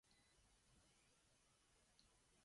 He was the son of a Sogdian merchant.